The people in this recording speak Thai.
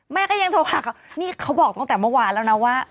แม่ก็ยังโทรหาเขานี่เขาบอกตั้งแต่เมื่อวานแล้วนะว่า